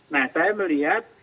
nah saya melihat